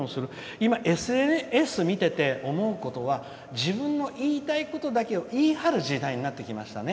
今、ＳＮＳ見てて思うことは自分の言いたいことだけを言い張る時代になってきましたね。